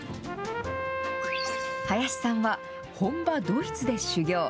林さんは、本場ドイツで修業。